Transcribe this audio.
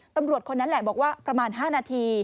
ตำรวจคนนั้นแหละบอกว่าประมาณ๕นาที